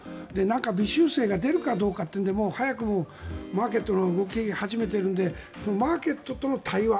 微修正が出るのかというのでもう早くもマーケットの動きが始まっているのでマーケットとの対話